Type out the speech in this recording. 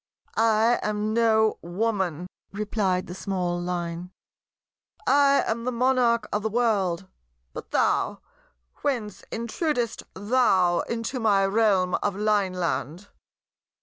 "I am no Woman," replied the small Line: "I am the Monarch of the world. But thou, whence intrudest thou into my realm of Lineland?"